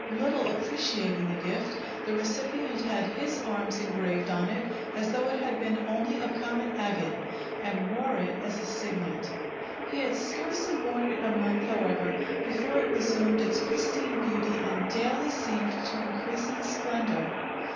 Little appreciating the gift, the recipient had his arms engraved on it as though it had been only a common agate and wore it as a signet. He had scarcely worn it a month, however, before it resumed its pristine beauty and daily seemed to increase in splendor.